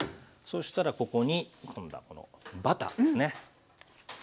そしたらここに今度はバターですね。